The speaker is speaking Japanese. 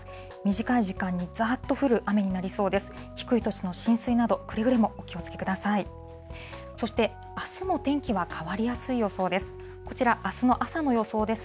短い時間にざっと降る雨になりそうです。